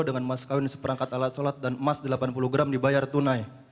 dengan emas kawin seperangkat alat sholat dan emas delapan puluh gram dibayar tunai